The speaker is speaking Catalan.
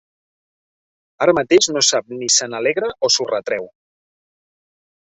Ara mateix no sap ni se n'alegra o s'ho retreu.